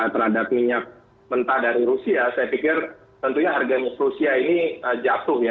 terhadap minyak mentah dari rusia saya pikir tentunya harga rusia ini jatuh ya